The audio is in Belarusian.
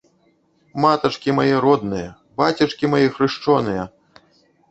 Матачкі мае родныя, бацечкі мае хрышчоныя!